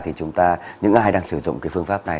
thì chúng ta những ai đang sử dụng cái phương pháp này